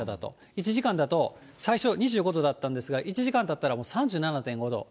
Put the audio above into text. １時間だと、最初２５度だったんですが、１時間たったら３７．５度。